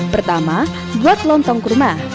pertama buat lontong kurma